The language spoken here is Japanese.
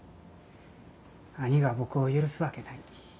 兄が僕を許すわけない。